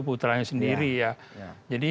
putranya sendiri ya jadi